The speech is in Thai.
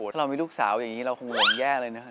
ถ้าเรามีลูกสาวอย่างนี้เราคงห่วงแย่เลยนะครับ